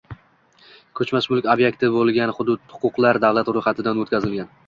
Ko‘chmas mulk ob’ektiga bo‘lgan huquqlar davlat ro‘yxatidan o‘tkazilgan